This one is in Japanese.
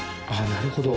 なるほど。